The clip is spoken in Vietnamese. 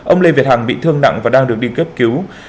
ông lê việt hàng bị thương nặng và đang được đi kết cứu